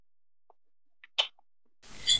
光绪二十七年在经岭病逝。